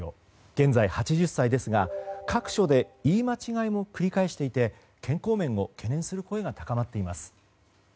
現在８０歳ですが、各所で言い間違いも繰り返していて健康面を懸念する声が高まっています。